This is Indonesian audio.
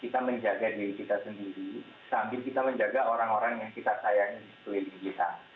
kita menjaga diri kita sendiri sambil kita menjaga orang orang yang kita sayangi di sekeliling kita